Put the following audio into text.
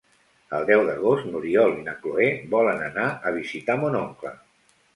El deu d'agost n'Oriol i na Cloè volen anar a visitar mon oncle.